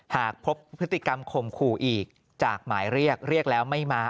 หากพบพฤติกรรมข่มขู่อีกจากหมายเรียกเรียกแล้วไม่มา